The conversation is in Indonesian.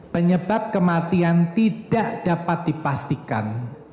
penyebab kematian tidak dapat dipastikan